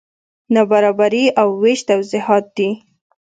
نابرابري او وېش توضیحات دي.